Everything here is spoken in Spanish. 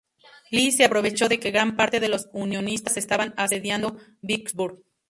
Lee se aprovechó de que gran parte de los unionistas estaban asediando Vicksburg.